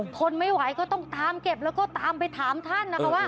ทนไม่ไหวก็ต้องตามเก็บแล้วก็ตามไปถามท่านนะคะว่า